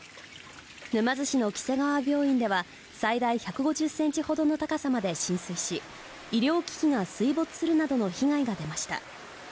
沼津市のきせがわ病院では最大１５０ｃｍほどの高さまで浸水し医療機器が水没するなどの被害が出ました。